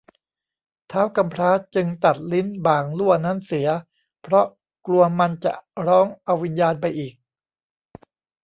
ท้าวกำพร้าจึงตัดลิ้นบ่างลั่วนั้นเสีย เพราะกลัวมันจะร้องเอาวิญญาณไปอีก